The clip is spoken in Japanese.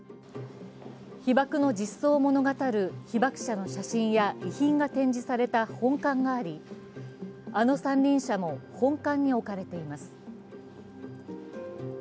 被爆の実相を物語る被爆者の写真や遺品が展示された本館があり、あの三輪車も本館に置かれています。